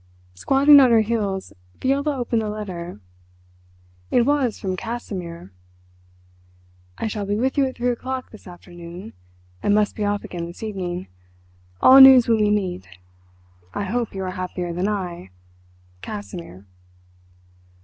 Squatting on her heels, Viola opened the letter. It was from Casimir: "I shall be with you at three o'clock this afternoon—and must be off again this evening. All news when we meet. I hope you are happier than I.—CASIMIR."